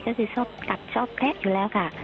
ก็คือชอบตักชอบแพะอยู่แล้วค่ะ